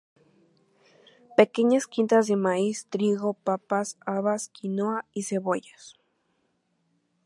Pequeñas "quintas" de maíz, trigo, papas, habas, quinoa y cebollas.